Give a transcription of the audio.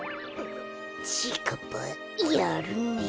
ちぃかっぱやるねえ。